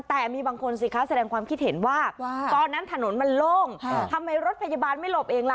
แต่มีบางคนสิคะแสดงความคิดเห็นว่าตอนนั้นถนนมันโล่งทำไมรถพยาบาลไม่หลบเองล่ะ